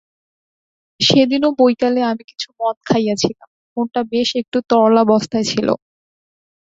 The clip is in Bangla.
সেদিনও বৈকালে আমি কিছু মদ খাইয়াছিলাম, মনটা বেশ একটু তরলাবস্থায় ছিল।